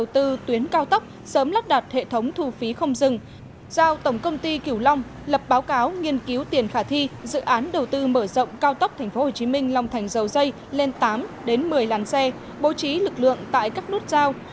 từ mở rộng cao tốc tp hcm long thành dầu dây lên tám đến một mươi làn xe bố trí lực lượng tại các nút giao